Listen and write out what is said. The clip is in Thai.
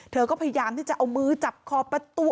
เธอก็พยายามที่จะเอามือจับคอประตู